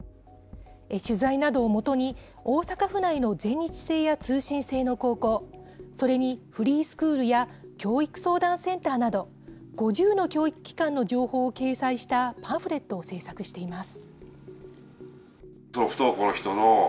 取材などをもとに、大阪府内の全日制や通信制の高校、それにフリースクールや教育相談センターなど、５０の教育機関の情報を掲載したパンフレットを制作しています。